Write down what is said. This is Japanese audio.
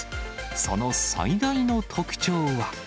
その最大の特徴は。